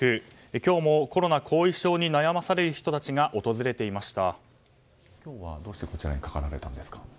今日もコロナ後遺症に悩まされる人たちが訪れていました。